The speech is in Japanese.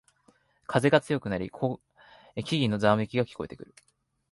風が強くなり木々のざわめきが聞こえてくる